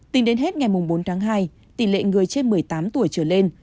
tính đến hết ngày bốn tháng hai tỷ lệ người trên một mươi tám tuổi trở lên